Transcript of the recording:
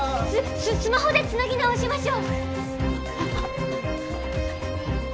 ススマホでつなぎ直しましょう！